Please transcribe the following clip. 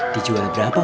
dijual berapa omah